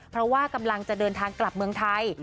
เพราะว่ากำลังจะเดินทางกลับเมืองไทย